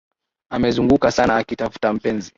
Amezunguka sana akitafuta mpenzi